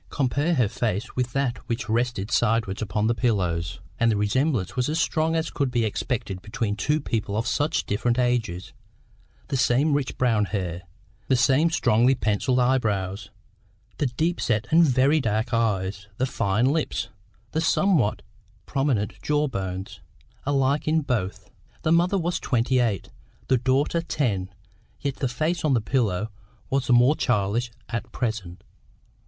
Compare her face with that which rested sideways upon the pillows, and the resemblance was as strong as could exist between two people of such different ages: the same rich brown hair, the same strongly pencilled eye brows; the deep set and very dark eyes, the fine lips, the somewhat prominent jaw bones, alike in both. The mother was twenty eight, the daughter ten, yet the face on the pillow was the more childish at present.